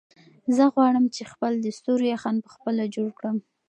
زه غواړم چې خپل د ستورو یخن په خپله جوړ کړم.